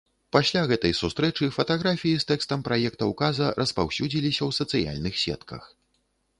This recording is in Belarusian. Пасля гэтай сустрэчы фатаграфіі з тэкстам праекта ўказа распаўсюдзіліся ў сацыяльных сетках.